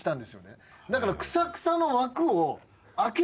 だから。